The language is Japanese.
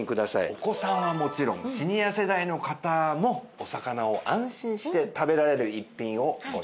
お子さんはもちろんシニア世代の方もお魚を安心して食べられる逸品をご紹介します。